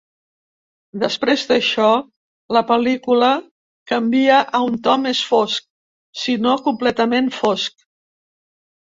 Després d'això, la pel·lícula canvia a un to més fosc, si no completament fosc.